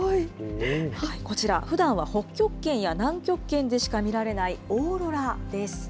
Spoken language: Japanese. こちら、ふだんは北極圏や南極圏でしか見られないオーロラです。